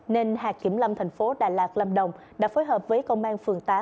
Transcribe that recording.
nên hạ kiểm lâm tp đà lạt lâm đồng đã phối hợp với công an phường tám